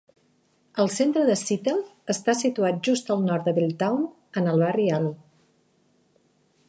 El centre de Seattle està situat just al nord de Belltown, en el barri alt.